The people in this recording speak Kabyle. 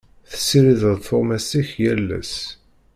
Tessirideḍ tuɣmas-ik yal ass.